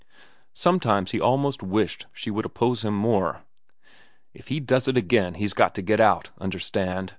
Sometimes he almost wished she would oppose him more. "If he does it again, he's got to get out. Understand!